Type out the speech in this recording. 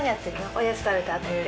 おやつ食べたあとって。